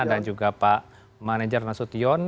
dan juga pak manager nasution